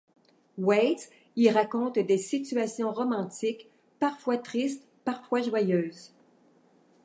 Waits y raconte des situations romantiques, parfois tristes parfois joyeuses.